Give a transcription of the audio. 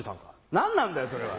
何なんだよそれは。